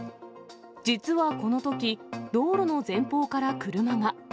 実はこのとき、道路の前方から車が。